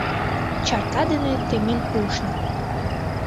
Чарка дене темен пуышна